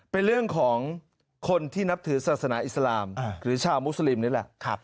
เป็นเรื่องของคนที่นับถือศาสนาอิสลามหรือชาวมุสลิมนี่แหละ